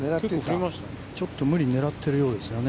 ちょっと無理に狙ってるようですよね。